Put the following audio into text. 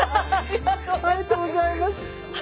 ありがとうございます。